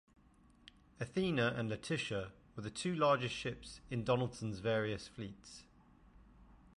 "Athenia" and "Letitia" were the two largest ships in Donaldson's various fleets.